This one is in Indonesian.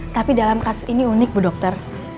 tapi dalam kasus ini unik bu dokter